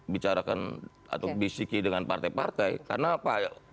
bicarakan atau bisiki dengan partai partai karena apa